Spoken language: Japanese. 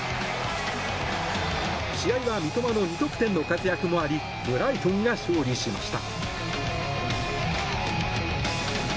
試合は三笘の２得点の活躍もありブライトンが勝利しました。